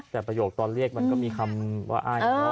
แต่ประโยคตอนเรียกมันก็มีคำว่าอ้ายเนอะ